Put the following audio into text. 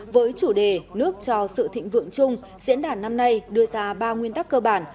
với chủ đề nước cho sự thịnh vượng chung diễn đàn năm nay đưa ra ba nguyên tắc cơ bản